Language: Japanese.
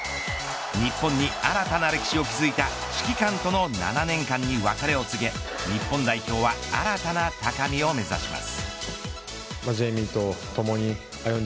日本に新たな歴史を築いた指揮官との７年間に別れを告げ日本代表は新たな高みを目指します。